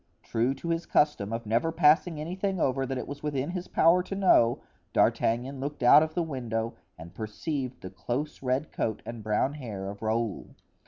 True to his custom of never passing anything over that it was within his power to know, D'Artagnan looked out of the window and perceived the close red coat and brown hair of Raoul.